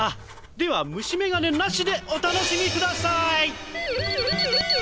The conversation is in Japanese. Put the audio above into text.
では虫メガネなしでお楽しみください！